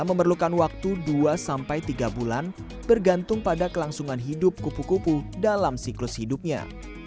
memerlukan waktu dua sampai tiga bulan bergantung pada kelangsungan hidup kupu kupu dalam siklus hidupnya